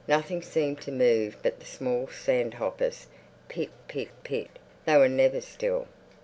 Nothing seemed to move but the small sand hoppers. Pit pit pit! They were never still.